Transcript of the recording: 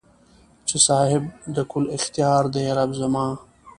چې صاحب د کل اختیار دې رب زما